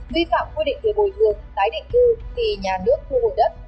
vi phạm quy định về bồi thường tái định cư thì nhà nước thu hồi đất